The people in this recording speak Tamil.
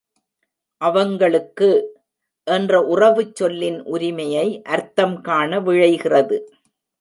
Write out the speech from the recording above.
அவங்களுக்கு... என்ற உறவுச் சொல்லின் உரிமையை அர்த்தம் காண விழைகிறது.